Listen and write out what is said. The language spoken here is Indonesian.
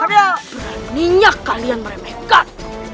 beraninya kalian meremehkan